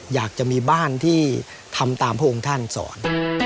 อยากจะมีบ้านที่ทำตามพระองค์ท่านสอน